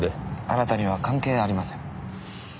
あなたには関係ありません。